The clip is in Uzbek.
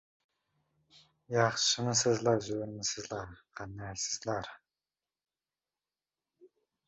• Uxlayotgan ilonning dumini bosmasang, chaqmaydi.